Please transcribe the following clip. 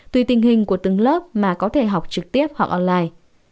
tùy tình hình của từng lớp mà có thể học trực tiếp hoặc online